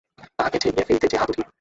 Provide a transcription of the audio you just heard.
তাহাকে ঠেলিয়া ফেলিতে যে হাত ওঠে না।